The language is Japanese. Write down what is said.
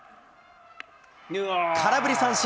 空振り三振。